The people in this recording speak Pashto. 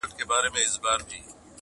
سر تر نوکه لا خولې پر بهېدلې؛